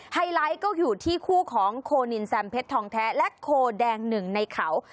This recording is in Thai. ไฮไลท์ก็อยู่ที่คู่ของโคนินแซมเพชรทองแท้และโคแดงหนึ่งในเขา